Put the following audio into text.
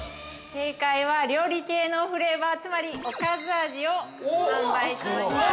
◆正解は、料理系のフレーバー、つまりおかず味を販売しました。